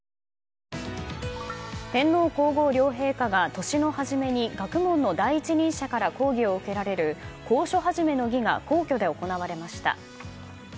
天皇・皇后両陛下が年の始めに学問の第一人者から講義を受けられる講書始の儀が皇居で行われました。